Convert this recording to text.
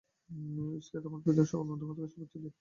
Me উডসকে আমার প্রীতি, এবং সকল বন্ধুকে শুভেচ্ছাদি।